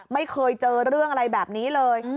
ไม่เคยเจอเรื่องอะไรแบบนี้เลย